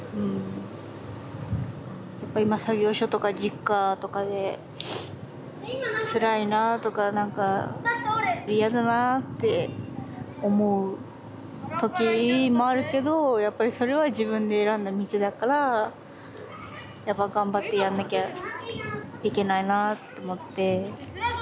やっぱり今作業所とかＪｉｋｋａとかでつらいなあとか何か嫌だなあって思う時もあるけどやっぱりそれは自分で選んだ道だからやっぱ頑張ってやんなきゃいけないなあと思って。